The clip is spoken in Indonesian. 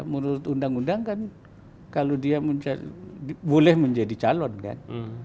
menurut undang undang kan kalau dia boleh menjadi calon kan